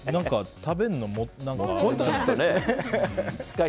食べるのが何か。